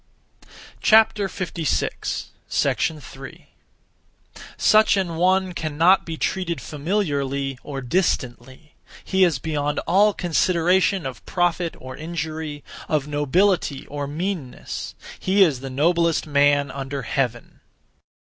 3. (Such an one) cannot be treated familiarly or distantly; he is beyond all consideration of profit or injury; of nobility or meanness: he is the noblest man under heaven.